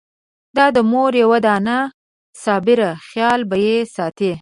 دا د مور یوه دانه صابره خېال به يې ساتي!